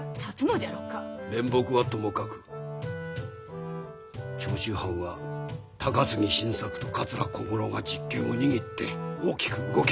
面目はともかく長州藩は高杉晋作と桂小五郎が実権を握って大きく動き始めた。